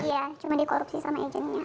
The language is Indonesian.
iya cuma dikorupsi sama ajangnya